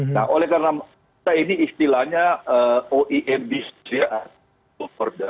nah oleh karena ini istilahnya oimd